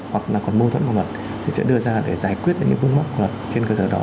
hoặc là còn mô thuẫn một luật thì sẽ đưa ra để giải quyết những vấn mắc của luật trên cơ sở đó